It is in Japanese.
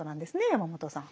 山本さん。